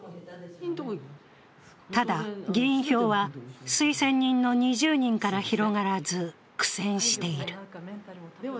ただ議員票は、推薦人の２０人から広がらず苦戦している。